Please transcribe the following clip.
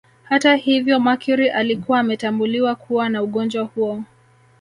Hata hivyo Mercury alikuwa ametambuliwa kuwa na ugonjwa huo